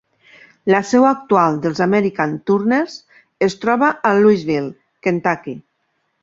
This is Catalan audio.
La seu actual dels American Turners es troba a Louisville, Kentucky.